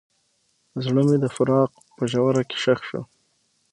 زړه مې د فراق په ژوره کې ښخ شو.